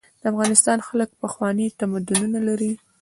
د افغانستان خلک پخواني تمدنونه لري.